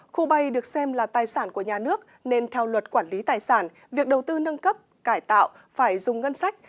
khu bay được xem là tài sản của nhà nước nên theo luật quản lý tài sản việc đầu tư nâng cấp cải tạo phải dùng ngân sách